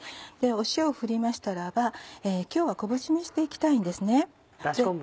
塩振りましたら今日は昆布じめしていきたいんですね。